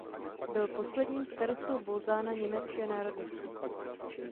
Byl posledním starostou Bolzana německé národnosti.